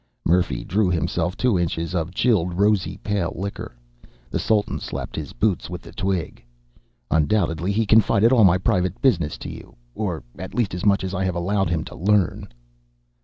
Murphy drew himself two inches of chilled rosy pale liquor. The Sultan slapped his boots with the twig. "Undoubtedly he confided all my private business to you, or at least as much as I have allowed him to learn."